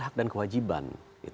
hak dan kewajiban